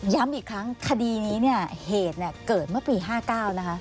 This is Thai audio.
ย้ำอีกครั้งคดีนี้เนี่ยเหตุเกิดเมื่อปี๕๙นะคะ